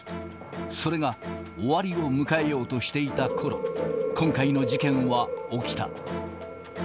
それが終わりを迎えようとしていたころ、今回の事件は起きた。